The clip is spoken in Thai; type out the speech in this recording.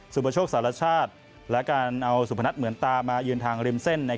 ปโชคสารชาติและการเอาสุพนัทเหมือนตามายืนทางริมเส้น